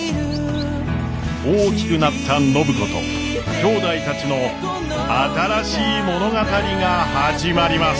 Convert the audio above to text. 大きくなった暢子ときょうだいたちの新しい物語が始まります。